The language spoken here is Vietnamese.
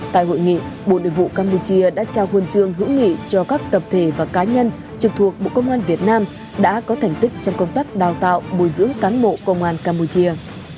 tại hội nghị bộ nội vụ campuchia đã trao huân chương hữu nghị cho các tập thể và cá nhân trực thuộc bộ công an việt nam đã có thành tích trong công tác đào tạo bồi dưỡng cán bộ công an campuchia